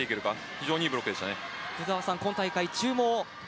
非常に、いいブロックでした。